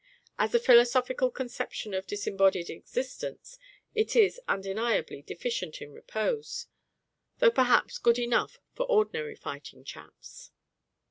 As a philosophical conception of disembodied existence, it is undeniably deficient in repose, though perhaps good enough for ordinary fighting chaps!